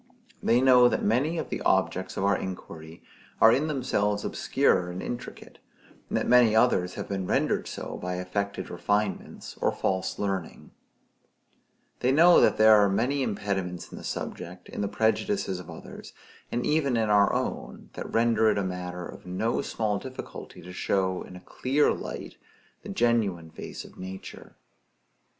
They know that many of the objects of our inquiry are in themselves obscure and intricate; and that many others have been rendered so by affected refinements, or false learning; they know that there are many impediments in the subject, in the prejudices of others, and even in our own, that render it a matter of no small difficulty to show in a clear light the genuine face of nature.